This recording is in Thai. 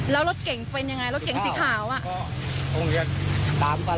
แล้วรถเก่งเป็นยังไงรถเก่งสีขาวอ่ะ